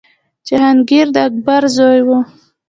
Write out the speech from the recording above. جهانګیر د اکبر زوی و.